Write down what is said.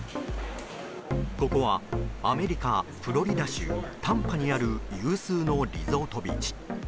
ここは、アメリカ・フロリダ州タンパにある有数のリゾートビーチ。